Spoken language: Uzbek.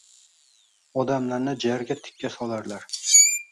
Odamlarni jarga tikka solarlar.